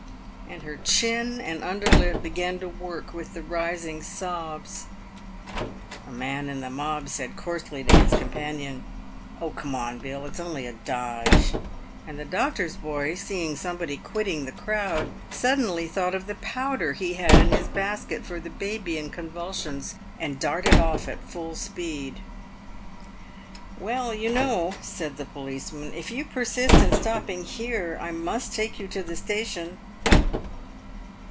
And her chin and under lip began to work with the rising sobs. A man in the mob said coarsely to his companion, " Oh, come on, Bill, it's only a dodge." And the doctor's boy, seeing somebody quitting the crowd, suddenly thought of the powder he had in his basket for the baby in convulsions, and darted oif at full speed. " "Well, you know," said the policeman, "if you persist in stopping here, I must take you to the station."